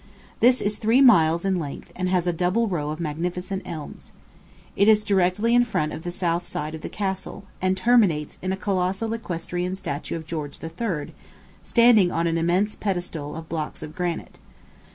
This is three miles in length, and has a double row of magnificent elms. It is directly in front of the south side of the castle, and terminates in a colossal equestrian statue of George III., standing on an immense pedestal of blocks of granite.